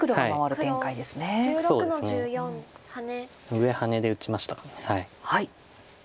上ハネで打ちましたか。